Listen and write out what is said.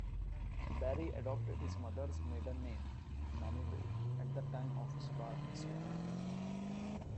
Barry adopted his mother's maiden name, Manilow, at the time of his bar mitzvah.